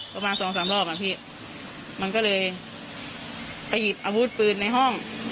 ประมาณ๒๓รอบน่ะพี่มันก็เลยปีดอาวุธเปิดในห้อง